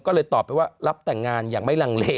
ก็เลยตอบไปว่ารับแต่งงานอย่างไม่ลังเล